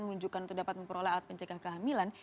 menunjukkan untuk dapat memperoleh alat pencegah kehamilan